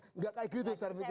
tidak seperti itu secara pikirnya